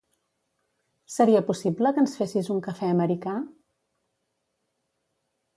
Seria possible que ens fessis un cafè americà?